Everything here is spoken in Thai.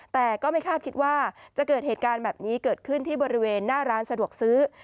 แต่ก็ไม่คาดคิดว่าจะเกิดเหตุการณ์แบบนี้เกิดขึ้นที่บริเวณหน้าร้านสะดวกซื้อ